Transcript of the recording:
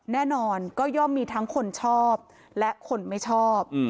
แน่นอนก็ย่อมมีทั้งคนชอบและคนไม่ชอบ